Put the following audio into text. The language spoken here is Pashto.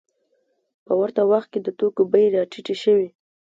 په ورته وخت کې د توکو بیې راټیټې شوې